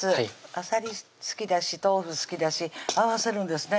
あさり好きだし豆腐好きだし合わせるんですね